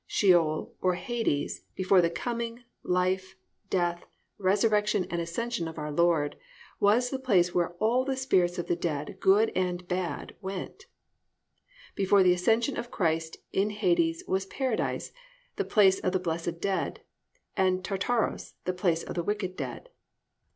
Sheol (or Hades) before the coming, life, death, resurrection, and ascension of our Lord, was the place where all the spirits of the dead, good and bad, went. Before the ascension of Christ, in Hades was Paradise, the place of the blessed dead, and Tartaros, the place of the wicked dead.